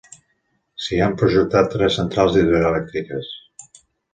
S'hi han projectat tres centrals hidroelèctriques.